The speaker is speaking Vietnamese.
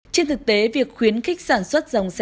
trên thực tế việc khuyến khích sản xuất dòng sản xuất